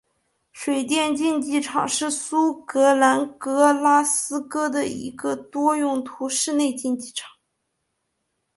水电竞技场是苏格兰格拉斯哥的一个多用途室内竞技场。